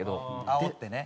あおってね。